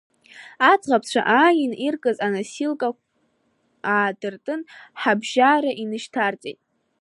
Аӡӷабцәа ааин иркыз аносилка аадыртын, ҳабжьара инышьҭарҵеит.